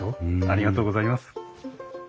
ありがとうございます。